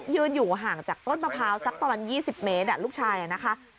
ยืนอยู่ห่างจากต้นมะพร้าวสักประมาณยี่สิบเมตรอ่ะลูกชายอ่ะนะคะ